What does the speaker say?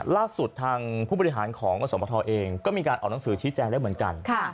ล่าสุดทางผู้บริหารของอสมทเองก็มีการออกหนังสือชี้แจงแล้วเหมือนกัน